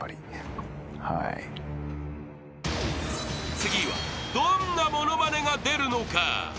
［次はどんな物まねが出るのか？］